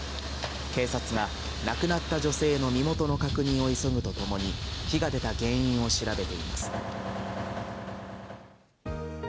警察が亡くなった女性の身元の確認を急ぐとともに、火が出た原因を調べています。